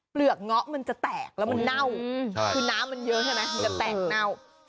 เงาะมันจะแตกแล้วมันเน่าคือน้ำมันเยอะใช่ไหมมันจะแตกเน่า